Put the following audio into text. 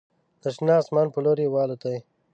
د شنه اسمان په لوري والوتې